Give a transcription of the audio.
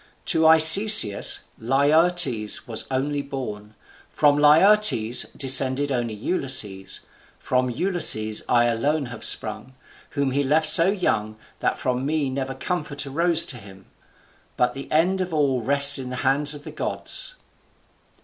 To Arcesius, Laertes only was born, from Laertes descended only Ulysses, from Ulysses I alone have sprung, whom he left so young that from me never comfort arose to him. But the end of all rests in the hands of the gods."